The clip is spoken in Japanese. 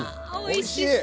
おいしい！